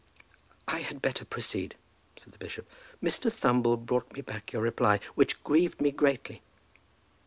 "I had better proceed," said the bishop. "Mr. Thumble brought me back your reply, which grieved me greatly."